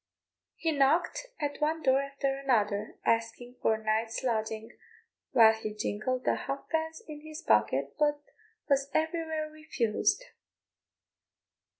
He knocked at one door after another asking for a night's lodging, while he jingled the halfpence in his pocket, but was everywhere refused.